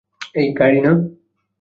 এই গাড়ি না?